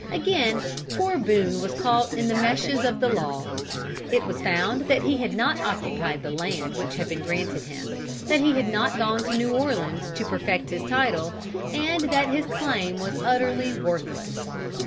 Again poor Boone was caught in the meshes of the law. It was found that he had not occupied the land which had been granted him, that he had not gone to New Orleans to perfect his title, and that his claim was utterly worthless.